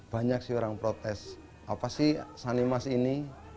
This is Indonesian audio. banyak sih orang protes apa sih sanimas ini